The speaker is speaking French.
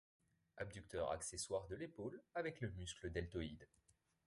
Abducteur accessoire de l'épaule avec le muscle deltoïde.